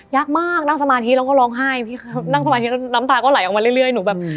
ยากมากนั่งสมาธิแล้วก็ร้องไห้พี่นั่งสมาธิแล้วน้ำตาก็ไหลออกมาเรื่อยหนูแบบ